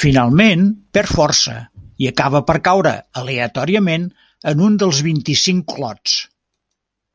Finalment, perd força i acaba per caure aleatòriament en un dels vint-i-cinc clots.